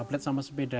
tablet sama sepeda